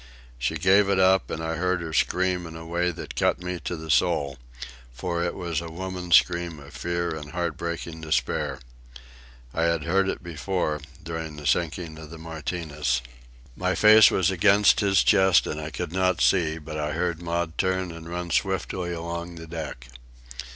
She gave it up, and I heard her scream in a way that cut me to the soul, for it was a woman's scream of fear and heart breaking despair. I had heard it before, during the sinking of the Martinez. My face was against his chest and I could not see, but I heard Maud turn and run swiftly away along the deck.